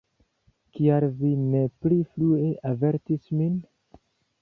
Kial vi ne pli frue avertis min?